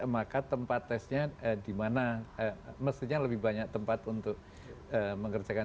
maka tempat tesnya di mana mestinya lebih banyak tempat untuk mengerjakan